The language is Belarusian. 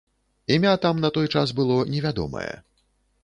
Імя там на той час было невядомае.